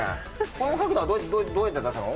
この角度はどうやって出したの？